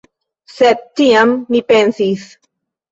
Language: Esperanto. Sed tiam mi pensis: